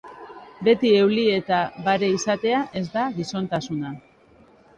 Beti euli eta bare izatea ez da gizontasuna.